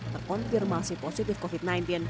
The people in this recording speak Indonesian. terkonfirmasi positif covid sembilan belas